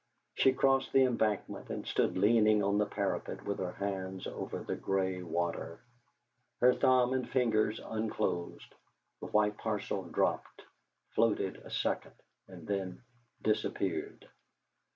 She crossed the Embankment, and stood leaning on the parapet with her hands over the grey water. Her thumb and fingers unclosed; the white parcel dropped, floated a second, and then disappeared.